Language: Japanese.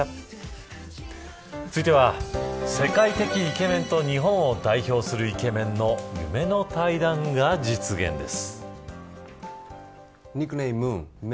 続いては、世界的イケメンと日本を代表するイケメンの夢の対談が実現です。